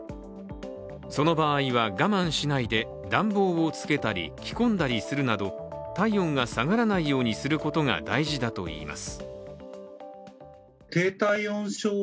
その場合は、我慢しないで暖房を付けたり着込んだりするなど体温が下がらないようにすることが大事だといいます。